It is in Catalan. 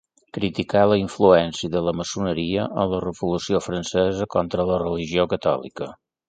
Criticà la influència de la maçoneria en la Revolució Francesa contra la religió catòlica.